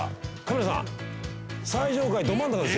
カメラさん。